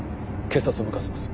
警察を向かわせます。